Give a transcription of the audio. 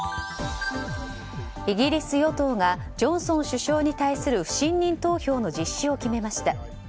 イギリス与党がジョンソン首相に対する不信任投票の実施を決めました。